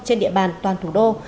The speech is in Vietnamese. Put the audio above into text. trên địa bàn toàn thủ đô